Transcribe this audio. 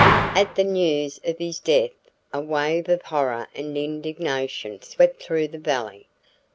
At the news of his death a wave of horror and indignation swept through the valley.